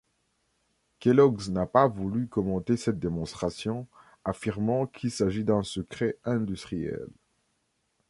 Kellogg's n'a pas voulu commenter cette démonstration, affirmant qu'il s'agit d'un secret industriel.